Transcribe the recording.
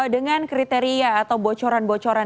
dengan kriteria atau bocoran bocoran